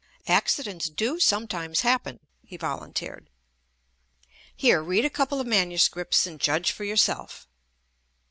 "Ac cidents do sometimes happen," he volunteered. "Here, read a couple of manuscripts and judge for yourself."